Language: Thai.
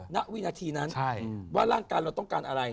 ณวินาทีนั้นว่าร่างกายเราต้องการอะไร